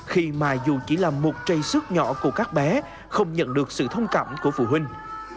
khi mà dù chỉ là một trây sức nhỏ của các bé không nhận được sự thông cảm của phụ huynh